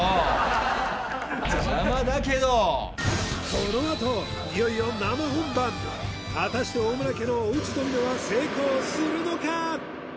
このあといよいよ生本番果たして大村家のお家ドミノは成功するのか！？